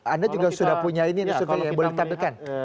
anda juga sudah punya ini boleh ditampilkan